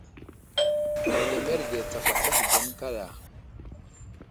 Hələmerge tsakwasl ahəge ane kaya.